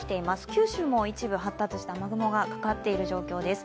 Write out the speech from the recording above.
九州も一部、発達した雨雲がかかっている状況です。